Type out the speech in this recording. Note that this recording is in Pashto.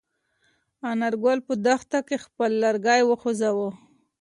انارګل په دښته کې خپل لرګی وخوځاوه.